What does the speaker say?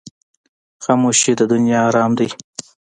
خاموشي، د دنیا آرام دی.